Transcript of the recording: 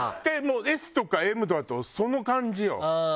もうＳとかＭだとその感じよ。